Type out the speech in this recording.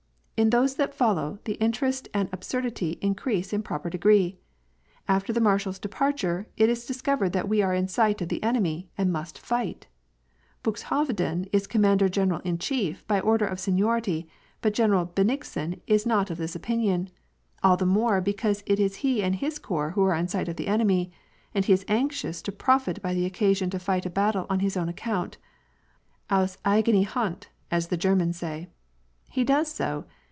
In those that follow, the interest and the absurdity increase in proper degree. After the marshal's departure, It is discovered that we are in sight of the enemy, and must fight. Buxhorden is commander general in chief by order of seniority, but General Benig sen is not of this opinion ; all the more because it is he and liis corps who are in sight of the enemy, and he is anxious to profit by the occasion to fight a battle on his own account, au3 eigene Hand,^* as the Germaiu say. He does so.